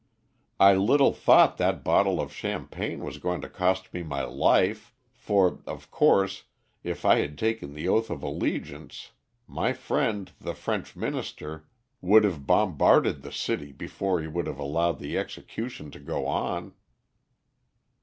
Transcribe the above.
I little thought that bottle of champagne was going to cost me my life, for, of course, if I had taken the oath of allegiance, my friend, the French Minister, would have bombarded the city before he would have allowed the execution to go on."